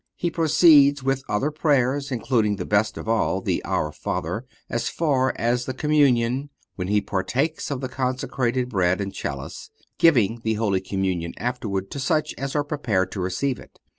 He proceeds with other prayers, including the best of all, the Our Father, as far as the Communion, when he partakes of the consecrated Bread and chalice, giving the Holy Communion afterward to such as are prepared to receive it.